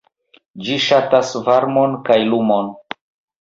Ĝi ŝatas varmon kaj lumon.